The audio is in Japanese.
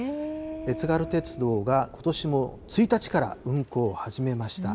津軽鉄道がことしも１日から運行を始めました。